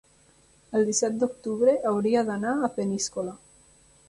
El disset d'octubre hauria d'anar a Peníscola.